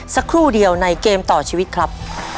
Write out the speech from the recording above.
สักครู่เดียวในเกมต่อชีวิตครับ